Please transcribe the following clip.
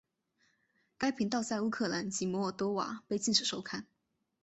该频道在乌克兰及摩尔多瓦被禁止收看。